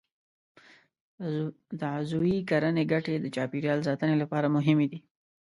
د عضوي کرنې ګټې د چاپېریال ساتنې لپاره مهمې دي.